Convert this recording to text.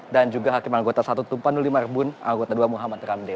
dan juga hakim anggota satu tumpan uli marbun anggota dua muhammad ramde